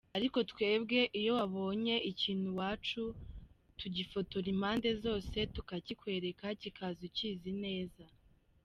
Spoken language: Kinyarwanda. Ariko twebwe iyo wabonye ikintu iwacu, tugifotora impande zose, tukakikwereka, kikaza ukizi neza.